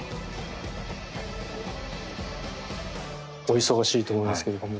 お忙しいと思いますけど。